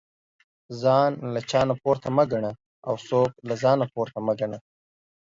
ځان له چانه پورته مه ګنه او څوک له ځانه پورته مه ګنه